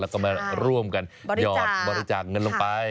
แล้วก็มาร่วมกันหยอดบริจาคเงินลงไป